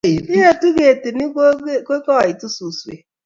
Yaetu ketit ni, kotuitu suswek.